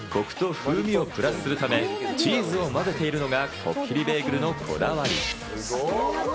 クリームにはコクと風味をプラスするため、チーズを混ぜているのがコッキリベーグルのこだわり。